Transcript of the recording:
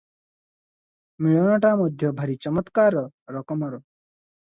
ମିଳନଟା ମଧ୍ୟ ଭାରି ଚମତ୍କାର ରକମର ।